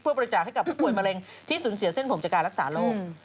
บริจาคให้กับผู้ป่วยมะเร็งที่สูญเสียเส้นผมจากการรักษาโรค